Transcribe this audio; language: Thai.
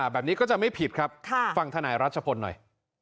แบบนี้ก็จะไม่ผิดครับฟังธนายรัชพลหน่อย